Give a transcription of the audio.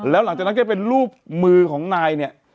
แล้วหลังจากนั้นก็เป็นรูปมือของนายเนี่ย